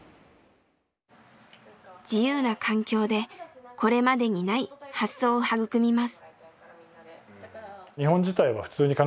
自由な環境でこれまでにない発想を育みます。